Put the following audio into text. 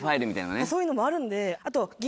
そういうのもあるんであと。